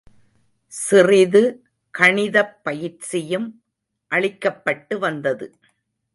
சிறிது கணிதப் பயிற்சியும் அளிக்கப்பட்டு வந்தது.